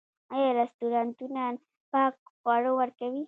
آیا رستورانتونه پاک خواړه ورکوي؟